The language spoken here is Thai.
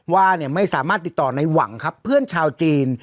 ว่าไม่สามารถติดต่อในหวังครับเพื่อนชาวจีน